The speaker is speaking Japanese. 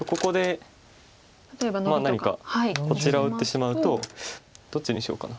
何かこちらを打ってしまうとどっちにしようかな。